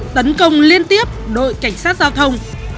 tấn công liên tiếp đội cảnh sát giao thông